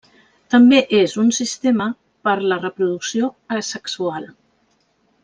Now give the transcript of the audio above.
També és un sistema per la reproducció asexual.